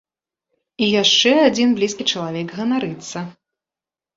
І яшчэ адзін блізкі чалавек ганарыцца.